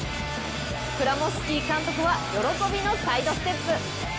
クラモフスキー監督は喜びのサイドステップ。